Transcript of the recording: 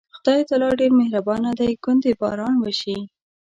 خدای تعالی ډېر مهربانه دی، ګوندې باران وشي.